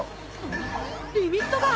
リミットが！